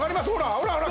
ほらほら